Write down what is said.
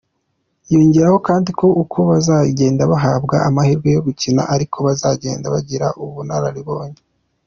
Yongeraho kandi ko uko bazagenda bahabwa amahirwe yo gukina ari ko bazagenda bagira ubunararibonye.